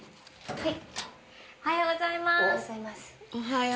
はい。